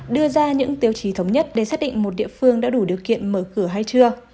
đưa ra những tiêu chí thống nhất để xác định một địa phương đã đủ điều kiện mở cửa hay chưa